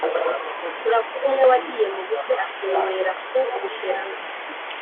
turavuga umwe wagiye mu bukwe akinyweraku "bushera"